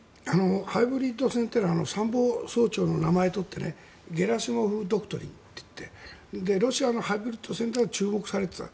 ハイブリッド戦というのは参謀総長の名前を取ってゲラシモフ・ドクトリンといってロシアのハイブリッド戦では注目されていた。